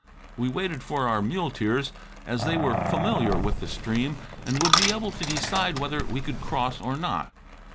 We waited for our muleteers, as they were familiar with the stream and would be able to decide whether we could cross or not.